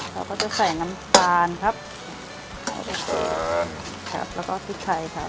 เราก็จะใส่น้ำตาลครับแล้วก็พริกไทยครับ